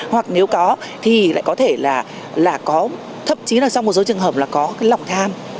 hoặc nếu có thì lại có thể là có thậm chí là trong một số trường hợp là có cái lòng tham